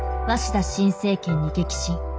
鷲田新政権に激震。